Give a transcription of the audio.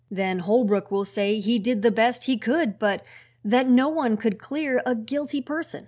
Then Holbrook will say he did the best he could but that no one could clear a guilty person.